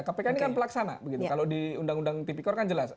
kpk ini kan pelaksana begitu kalau di undang undang tipikor kan jelas